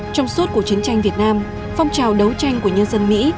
trong suốt cuộc chiến tranh việt nam phong trào đấu tranh của nhân dân mỹ